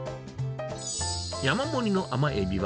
山盛りの甘エビは、